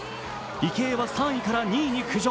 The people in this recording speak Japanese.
池江は３位から２位に浮上。